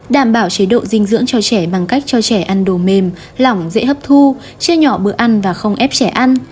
đảm bảo chế độ dinh dưỡng cho trẻ bằng cách cho trẻ ăn đồ mềm lỏng dễ hấp thu chia nhỏ bữa ăn và không ép trẻ ăn